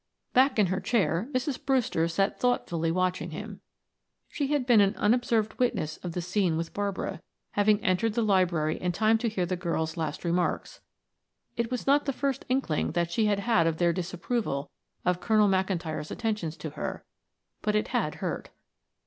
Back in her chair Mrs. Brewster sat thoughtfully watching him. She had been an unobserved witness of the scene with Barbara, having entered the library in time to hear the girl's last remarks. It was not the first inkling that she had had of their disapproval of Colonel McIntyre's attentions to her, but it had hurt.